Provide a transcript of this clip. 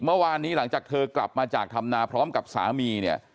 เมื่อวานนี้หลังจากเธอกลับมาจากธรรมนาพร้อมกับสามีเนี่ย